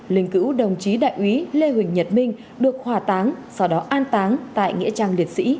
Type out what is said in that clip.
linh cữu đồng chí đại úy lê huỳnh nhật minh được hòa táng sau đó an táng tại nghĩa trang liệt sĩ huyện biến cầu